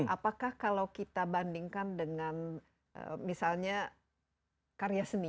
apakah kalau kita bandingkan dengan misalnya karya seni